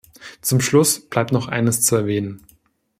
Zum Schluss bleibt noch eines zu erwähnen.